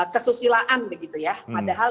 kesusilaan begitu ya padahal